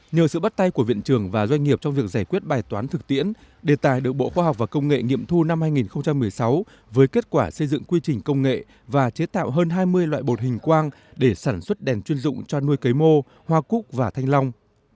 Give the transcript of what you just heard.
nhờ sự bắt tay của viện trường và doanh nghiệp trong việc giải quyết bài toán thực tiễn đề tài được bộ khoa học và công nghệ nghiệm thu năm hai nghìn một mươi sáu với kết quả xây dựng quy trình công nghệ và chế tạo hơn hai mươi loại bột hình quang để sản xuất đèn chuyên dụng cho nuôi cấy mô hoa cúc và thanh long